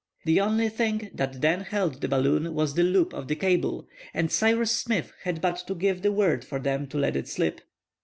The only thing that then held the balloon was the loop of the cable, and Cyrus Smith had but to give the word for them to let it slip.